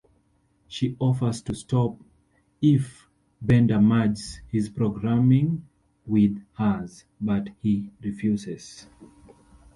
She offers to stop if Bender merges his programming with hers, but he refuses.